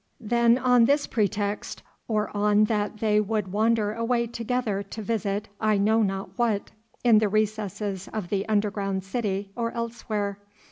Then on this pretext or on that they would wander away together to visit I know not what in the recesses of the underground city, or elsewhere.